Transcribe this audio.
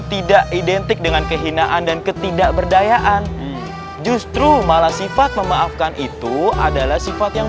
tidak identik dengan kehinaan dan ketidakberdayaan justru malah sifat memaafkan itu adalah sifat yang